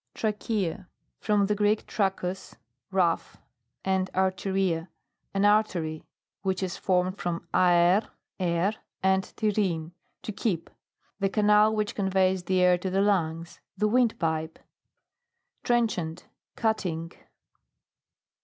TRACHEA. From the Greek, trachus, rough, and or/eria, an artery, which is formed from aer, air, and terein, to keep. The canal which conveys the air to the lungs. The windpipe. TRENCHANT. Cutting.